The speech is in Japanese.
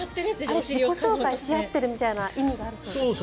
あれは自己紹介し合ってるみたいな意味があるそうです。